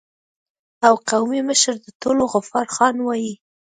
او قومي مشر د ټولو غفار خان وای